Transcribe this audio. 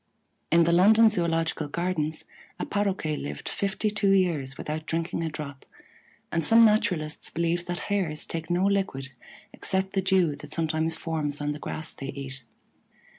In the London Zoological Gardens a Paroquet lived fifty two years without drinking a drop, and some naturalists believe that Hares take no liquid except the dew that sometimes forms on the grass they eat.